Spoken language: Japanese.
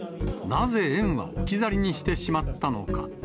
なぜ園は、置き去りにしてしまったのか。